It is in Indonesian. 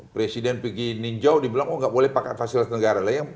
presiden pergi ninjau dibilang oh nggak boleh pakai fasilitas negara lah ya